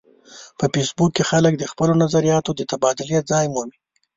په فېسبوک کې خلک د خپلو نظریاتو د تبادلې ځای مومي